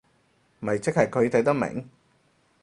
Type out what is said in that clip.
咪即係佢睇得明